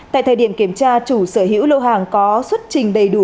tại thời điểm kiểm tra chủ sở hữu lô hàng có xuất trình đầy đủ